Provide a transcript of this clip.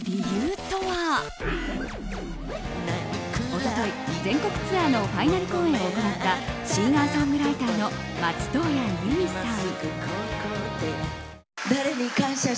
一昨日、全国ツアーのファイナル公演を行ったシンガーソングライターの松任谷由実さん。